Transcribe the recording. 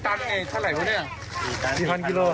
๔ตันเองไงเท่าไรวะเนี่ย